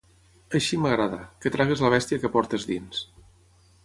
Així m'agrada, que treguis la bèstia que portes dins.